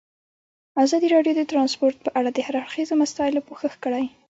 ازادي راډیو د ترانسپورټ په اړه د هر اړخیزو مسایلو پوښښ کړی.